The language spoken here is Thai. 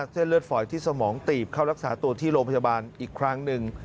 เส้นเลือดฝอยที่สมองตีบเข้ารักษาตัวที่โรงพยาบาลอีกครั้งหนึ่ง